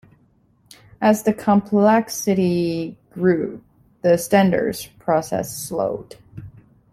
As the complexity grew, the standards process slowed.